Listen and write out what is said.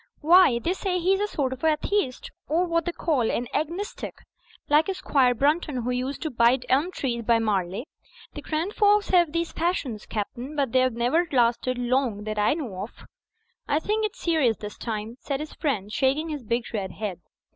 "Why, they say he's a sort of atheist, or what they call an agnostic, like Squire Brunton who used to bite elm trees by Marley. The grand folks have these fashions. Captain, but they've never lasted long that I know of." "I think it's serious this time," said his friend, shaking his big red head.